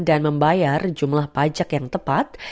dan membayar jumlah pajak yang tepat